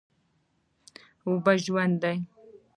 اوبه ژوند دی؟